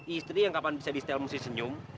istri yang kapan bisa disetel musik senyum